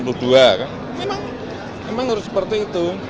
memang harus seperti itu